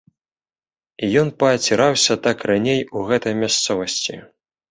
Ён пааціраўся так раней у гэтай мясцовасці.